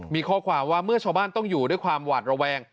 มีข้อความว่าเมื่อชาวบ้านต้องอยู่ด้วยความหวาดระแวง